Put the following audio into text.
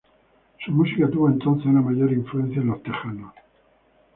Su música tuvo entonces una mayor influencia en los texanos.